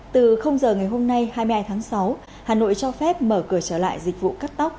từ giờ ngày hôm nay hai mươi hai tháng sáu hà nội cho phép mở cửa trở lại dịch vụ cắt tóc